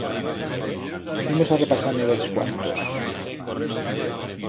Imos a repasar-ne bels cuantos.